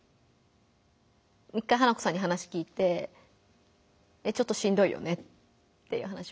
１回花子さんに話聞いて「えっちょっとしんどいよね」っていう話を聞いて。